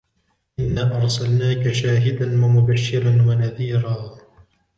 إنا أرسلناك شاهدا ومبشرا ونذيرا